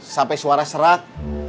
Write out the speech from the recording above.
sampai suara serak